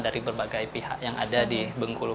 dari berbagai pihak yang ada di bengkulu